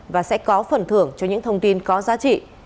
và sẽ có phần thưởng cho những thông tin có giá trị